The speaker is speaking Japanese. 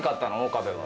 岡部は。